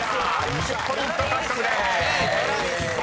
２０ポイント獲得です］ＯＫ！